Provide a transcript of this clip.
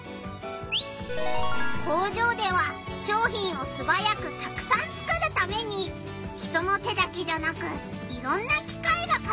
工場では商品をすばやくたくさんつくるために人の手だけじゃなくいろんな機械が活やくしているんだなあ。